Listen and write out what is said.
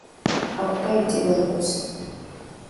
Ako kayitibwa kkunsu.